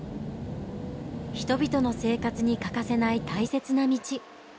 人々の生活に欠かせない大切な道。